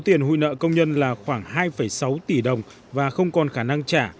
tiền hụi nợ công nhân là khoảng hai sáu tỷ đồng và không còn khả năng trả